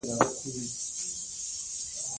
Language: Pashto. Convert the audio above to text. ماشومان له نورو سره ښه جوړجاړی وکړي.